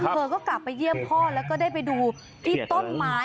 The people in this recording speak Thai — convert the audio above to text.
เธอก็กลับไปเยี่ยมพ่อแล้วก็ได้ไปดูที่ต้นไม้